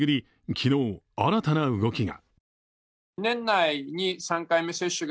昨日、新たな動きが。